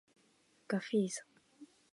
ガフィーザ